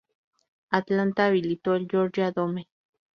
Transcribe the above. Atlanta habilitó el Georgia Dome.